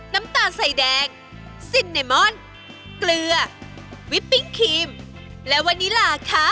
น้ำตาลใส่แดงซินเนมอนเกลือวิปปิ้งครีมและวานิลาค่ะ